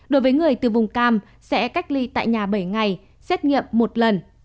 đối với người từ vùng cam sẽ cách ly tại nhà bảy ngày xét nghiệm một lần